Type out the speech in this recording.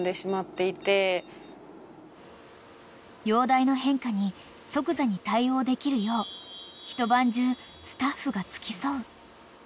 ［容体の変化に即座に対応できるよう一晩中スタッフが］